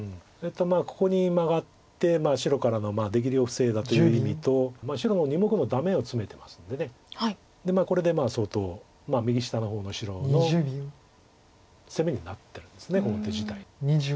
ここにマガって白からの出切りを防いだという意味と白の２目のダメをツメてますんでこれでまあ相当右下の方の白の攻めになってるんですこの手自体。